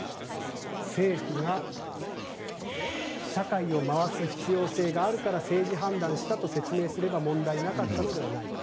政府が社会を回す必要性があるから政治判断をしたと説明すれば問題なかったのではないか。